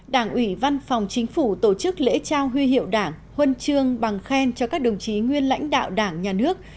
đảng ủy văn phòng chính phủ tổ chức lễ trao huy hiệu đảng huân trương bằng khen cho các đồng chí nguyên lãnh đạo đảng nhà nước